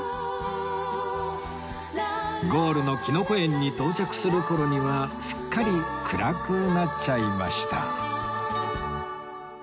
ゴールのきのこ園に到着する頃にはすっかり暗くなっちゃいました